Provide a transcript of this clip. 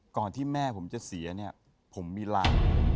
ที่แม่ผมจะเสียเนี่ยผมมีรัง